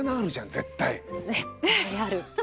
絶対ある。